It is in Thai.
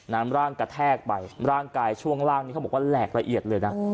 น้ำร่างกระแทกไปร่างกายช่วงล่างนี้เขาบอกว่าแหลกละเอียดเลยนะ